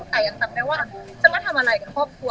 แต่ยังจำได้ว่าจะมาทำอะไรกับครอบครัว